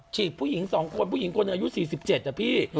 จีบผู้หญิง๒คนผู้หญิงคนอายุ๔๗อ่ะพี่